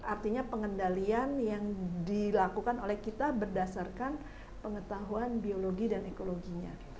artinya pengendalian yang dilakukan oleh kita berdasarkan pengetahuan biologi dan ekologinya